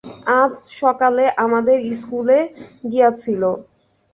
আজ সকালে আমাদের ইস্কুলে গিয়াছিল।